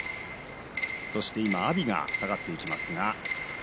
そして今阿炎が下がっていきました。